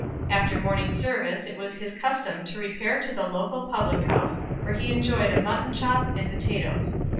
After morning service it was his custom to repair to the local public house where he enjoyed a mutton chop and potatoes.